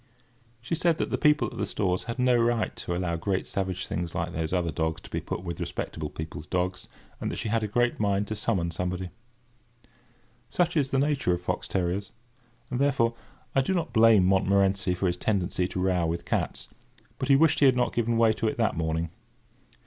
She said that the people at the Stores had no right to allow great savage things like those other dogs to be put with respectable people's dogs, and that she had a great mind to summon somebody. Such is the nature of fox terriers; and, therefore, I do not blame Montmorency for his tendency to row with cats; but he wished he had not given way to it that morning.